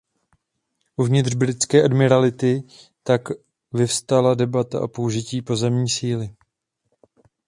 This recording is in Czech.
Uvnitř britské admirality tak vyvstala debata o použití pozemní síly.